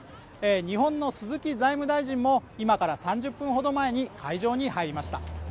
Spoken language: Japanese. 日本の鈴木財務大臣も今から３０分ほど前に会場に入りました。